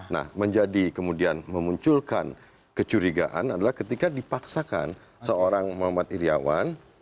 nah menjadi kemudian memunculkan kecurigaan adalah ketika dipaksakan seorang muhammad iryawan